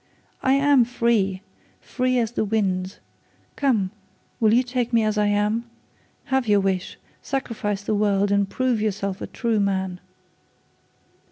'I am free; free as the winds. Come, will you take me as I am? Have your wish; sacrifice the world, and prove yourself a true man.'